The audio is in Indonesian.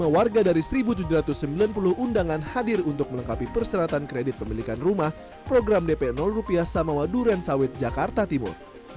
lima warga dari satu tujuh ratus sembilan puluh undangan hadir untuk melengkapi perseratan kredit pemilikan rumah program dp rupiah samawa duren sawit jakarta timur